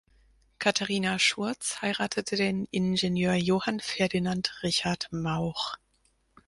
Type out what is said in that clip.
Katharina Schurz heiratete den Ingenieur Johann Ferdinand Richard Mauch.